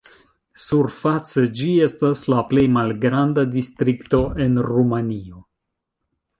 Surface ĝi estas la plej malgranda distrikto en Rumanio.